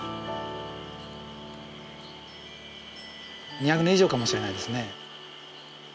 ２００年以上かもしれないですね。